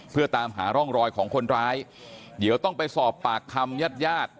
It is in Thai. เพื่อตามหาร่องรอยของคนร้ายเดี๋ยวต้องไปสอบปากคำญาติญาติ